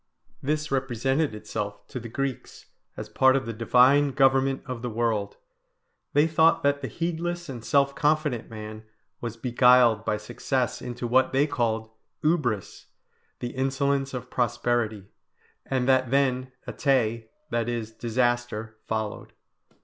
This represented itself to the Greeks as part of the divine government of the world; they thought that the heedless and self confident man was beguiled by success into what they called ubris, the insolence of prosperity; and that then atae, that is, disaster, followed.